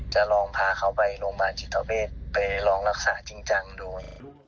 จะลองพาเขาไปโรงพยาบาลจิตเวทไปลองรักษาจริงจังโดย